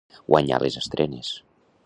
Guanyar les estrenes.